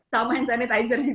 sama hand sanitizer juga